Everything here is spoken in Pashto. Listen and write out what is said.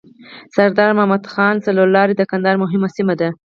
سردار مدد خان څلور لاری د کندهار مهمه سیمه ده.